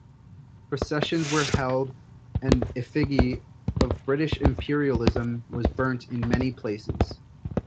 Processions were held and effigy of British imperialism was burnt in many places.